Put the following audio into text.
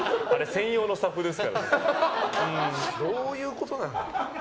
どういうことなの。